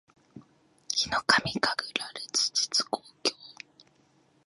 ヒノカミ神楽烈日紅鏡（ひのかみかぐられつじつこうきょう）